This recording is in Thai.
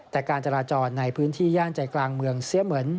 แต่การจราจรในพื้นที่ย่านใจกลางเมืองเสียเหมือน